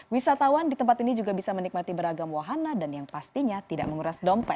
wisatawan di tempat ini juga bisa menikmati beragam wahana dan yang pastinya tidak menguras dompet